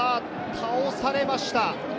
倒されました。